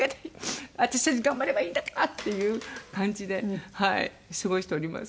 私たちが頑張ればいいんだからっていう感じで過ごしております。